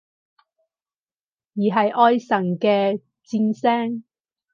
而係愛神嘅箭聲？